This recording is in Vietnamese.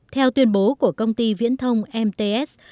theo tuyên bố của công ty viễn thông mts